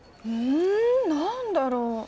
ん何だろう？